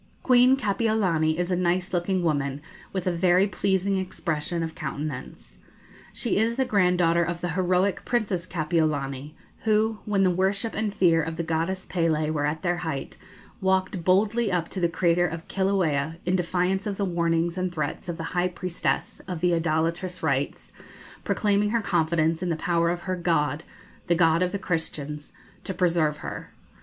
Queen Kapiolani is a nice looking woman, with a very pleasing expression of countenance. She is the granddaughter of the heroic Princess Kapiolani, who, when the worship and fear of the goddess Pélé were at their height, walked boldly up to the crater of Kilauea, in defiance of the warnings and threats of the high priestess of the idolatrous rites, proclaiming her confidence in the power of her God, the God of the Christians, to preserve her.